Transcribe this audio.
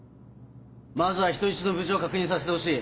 まずは人質の無事を確認させてほしい。